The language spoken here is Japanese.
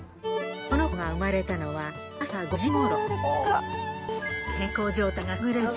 この子が生まれたのは朝５時頃。